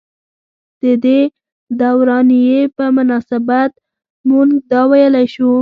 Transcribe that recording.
ددې دورانيې پۀ مناسبت مونږدا وئيلی شو ۔